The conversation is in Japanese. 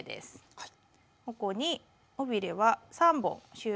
はい。